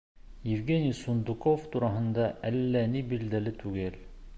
Евгений Сундуков тураһында әллә ни билдәле түгел.